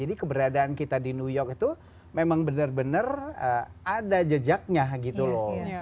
jadi keberadaan kita di new york itu memang benar benar ada jejaknya gitu loh